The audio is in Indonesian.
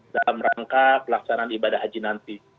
dalam rangka pelaksanaan ibadah haji nanti